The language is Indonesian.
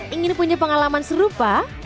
ingin punya pengalaman serupa